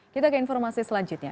kita ke informasi selanjutnya